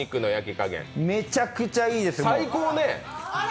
めちゃくちゃいいです。